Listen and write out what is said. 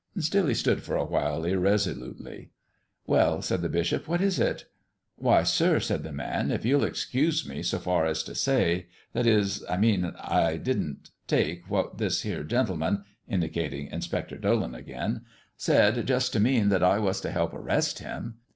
Still he stood for a while irresolutely. "Well," said the bishop, "what is it?" "Why, sir," said the man, "if you'll excuse me so far as to say that is, I mean I didn't take what this here gentleman" indicating Inspector Dolan again "said just to mean that I was to help arrest Him.